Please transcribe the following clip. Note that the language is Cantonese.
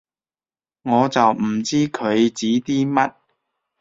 我就唔知佢指啲乜